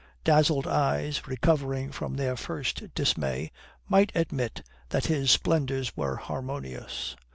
Dazzled eyes, recovering from their first dismay, might admit that his splendours were harmonious.